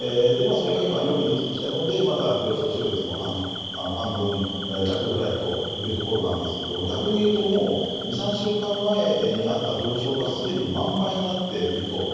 それが今、用意できてきたので病床使用率も半分弱くらいというところなんですけども逆に言うともう２３週間前にあった病床がすでに満杯になっていると。